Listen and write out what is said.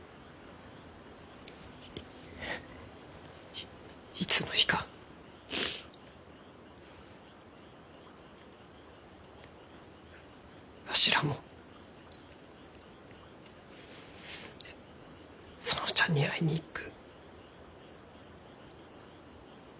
いいつの日かわしらも園ちゃんに会いに行く。